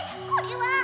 これは。